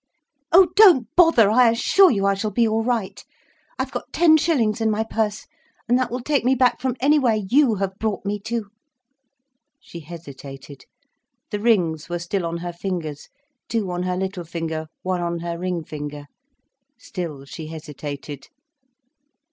"Oh, don't bother, I assure you I shall be all right. I've got ten shillings in my purse, and that will take me back from anywhere you have brought me to." She hesitated. The rings were still on her fingers, two on her little finger, one on her ring finger. Still she hesitated.